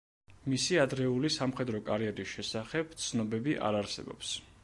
მისი ადრეული სამხედრო კარიერის შესახებ ცნობები არ არსებობს.